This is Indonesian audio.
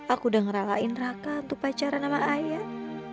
aku udah ngeralain raka tuh pacaran sama ayah